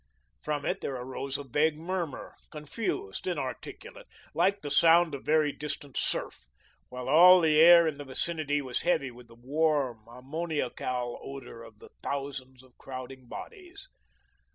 From it there arose a vague murmur, confused, inarticulate, like the sound of very distant surf, while all the air in the vicinity was heavy with the warm, ammoniacal odour of the thousands of crowding bodies.